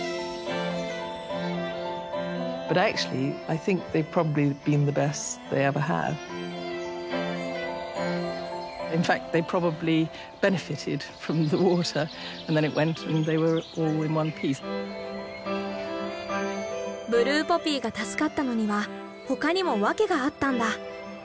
ブルーポピーが助かったのには他にもわけがあったんだ。